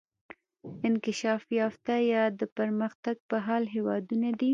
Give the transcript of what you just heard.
انکشاف یافته یا د پرمختګ په حال هیوادونه دي.